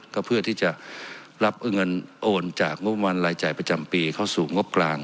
ก็เพื่อที่จะรับเงินโอนจากงบประมาณรายจ่ายประจำปีเข้าสู่งบกลาง